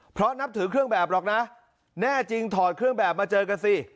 เพราะนับถือเครื่องแบบหรอกนะแน่จริงถอดเครื่องแบบมาเจอกันสิ